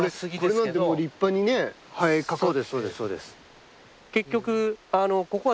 これなんてもう立派にね生えかかって。